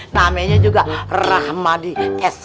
namanya juga rahmadi sh